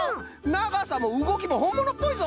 ながさもうごきもほんものっぽいぞ！